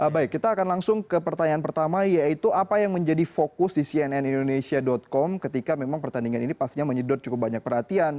baik kita akan langsung ke pertanyaan pertama yaitu apa yang menjadi fokus di cnnindonesia com ketika memang pertandingan ini pastinya menyedot cukup banyak perhatian